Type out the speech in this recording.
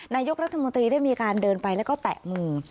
นายกรัฐมนตรีได้มีการเดินไปแล้วก็แตะมือ